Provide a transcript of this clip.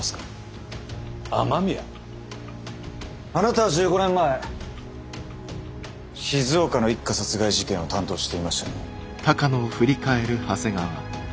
あなたは１５年前静岡の一家殺害事件を担当していましたね。